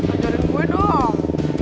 anjarin gue dong